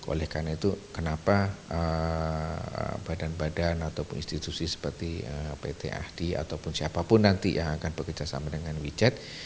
oleh karena itu kenapa badan badan ataupun institusi seperti pt ahdi ataupun siapapun nanti yang akan bekerjasama dengan wechat